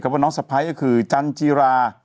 ว่าน้องสะพ้ายก็คือจันจีรา